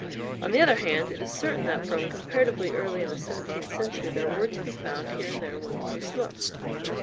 On the other hand, it is certain that from comparatively early in the seventeenth century there were to be found here and there women who smoked.